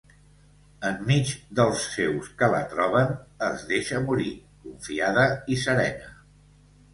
Enmig dels seus que la troben, es deixa morir, confiada i serena.